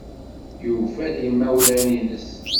Yufa-d imawlan-nnes.